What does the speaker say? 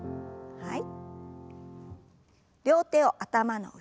はい。